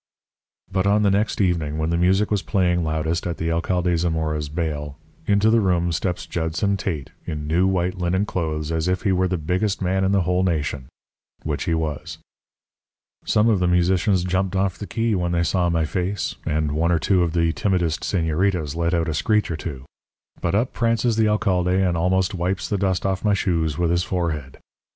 "But on the next evening, when the music was playing loudest at the Alcade Zamora's baile, into the room steps Judson Tate in new white linen clothes as if he were the biggest man in the whole nation, which he was. "Some of the musicians jumped off the key when they saw my face, and one or two of the timidest señoritas let out a screech or two. But up prances the alcalde and almost wipes the dust off my shoes with his forehead.